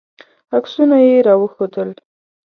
عکسونه یې راوښودل.